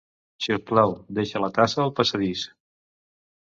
Si us plau, deixa la tassa al passadís.